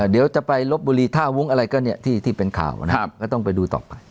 เดี๋ยวจะไปลบบุรีท่าวุ้งอะไรก็เนี่ยที่เป็นข่าวนะครับก็ต้องไปดูต่อไป